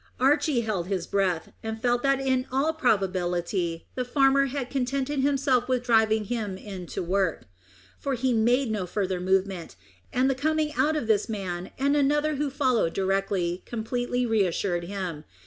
Archy held his breath, and felt that in all probability the farmer had contented himself with driving him in to work, for he made no further movement, and the coming out of this man, and another who followed directly, completely reassured him.